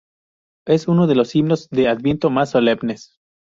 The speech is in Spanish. Es uno de los himnos de Adviento más solemnes.